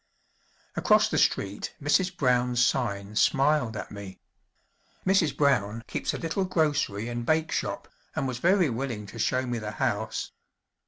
Across the street Mrs. Brown's sign smiled at me. Mrs. Brown keeps a little grocery and bakeshop and was very willing to show me the house.